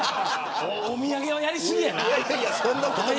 お土産は、やり過ぎやな。